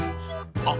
あっ。